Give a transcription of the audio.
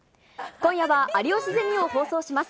今夜は、有吉ゼミを放送します。